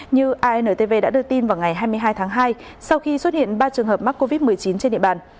như intv đã đưa tin vào ngày hai mươi hai tháng hai sau khi xuất hiện ba trường hợp mắc covid một mươi chín trên địa bàn